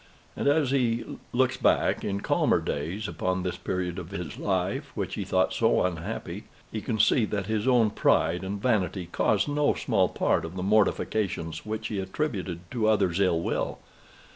And as he looks back, in calmer days, upon this period of his life, which he thought so unhappy, he can see that his own pride and vanity caused no small part of the mortifications which he attributed to other's ill will.